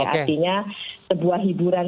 artinya sebuah hiburan